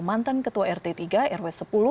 mantan ketua rt tiga rw sepuluh